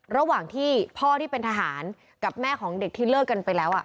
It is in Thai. ระหว่างที่พ่อที่เป็นทหารกับแม่ของเด็กที่เลิกกันไปแล้ว